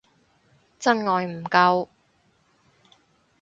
真愛唔夠